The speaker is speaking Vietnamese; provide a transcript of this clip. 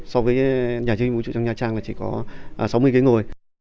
so với nhà chương hình vũ trụ trong nhà trang là chỉ có sáu mươi ghế ngồi